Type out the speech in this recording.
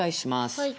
はい。